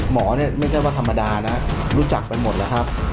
หมอเนี่ยไม่ใช่ว่าธรรมดานะรู้จักไปหมดแล้วครับ